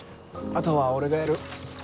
あとは俺がやる。